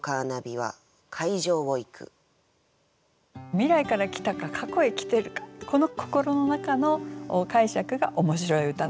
未来から来たか過去へ来てるかってこの心の中の解釈が面白い歌なんですね。